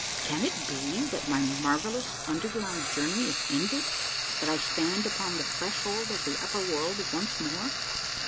Can it be that my marvellous underground journey is ended, that I stand upon the threshold of the upper world once more